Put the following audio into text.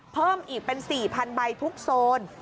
เพิ่มอีกเป็น๔๐๐๐ใบทุกโซน